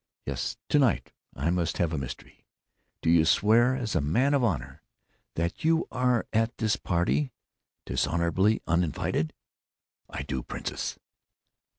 "Yes.... To night, I must have a mystery.... Do you swear, as a man of honor, that you are at this party dishonorably, uninvited?" "I do, princess."